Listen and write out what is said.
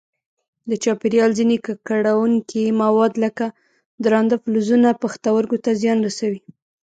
د چاپېریال ځیني ککړونکي مواد لکه درانده فلزونه پښتورګو ته زیان رسوي.